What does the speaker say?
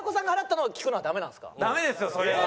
ダメですよそれは。